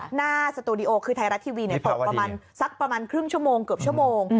หน้าสตูดิโอคือไทยรัฐทีวีตกประมาณสักประมาณครึ่งชั่วโมงเกือบชั่วโมง